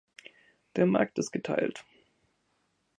Der Markt ist geteilt.